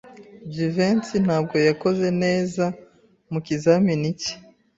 Jivency ntabwo yakoze neza mu kizamini cye.